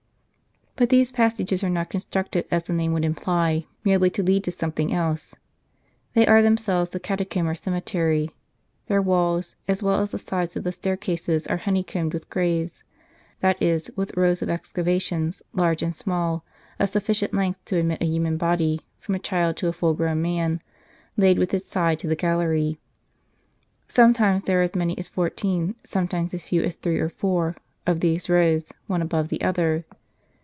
But these passages are not constructed, as the name would imply, merely to lead to something else. They are themselves the catacomb or cemetery. Their walls, as well as the sides of the staircases, are honeycombed with graves, that is, with rows of excavations, large and small, of sufficient length to admit a human body, from a child to a full grown man, laid with its side to the gallery. Sometimes there are as many as fourteen, sometimes as few as three or four, of these rows, one above the other.